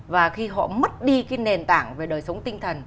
và khi họ mất đi cái nền tảng về đời sống tinh thần